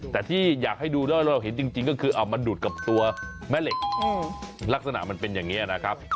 แต่ที่อยากให้ดูแล้วเราเห็นจริงก็คือมันดูดกับตัวแม่เหล็กลักษณะมันเป็นอย่างนี้นะครับ